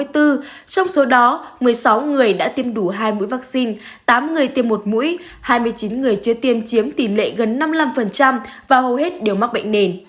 trong số đó một mươi sáu người đã tiêm đủ hai mũi vaccine tám người tiêm một mũi hai mươi chín người chưa tiêm chiếm tỷ lệ gần năm mươi năm và hầu hết đều mắc bệnh nền